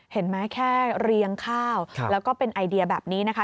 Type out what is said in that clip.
เห็นไหมแค่เรียงข้าวแล้วก็เป็นไอเดียแบบนี้นะคะ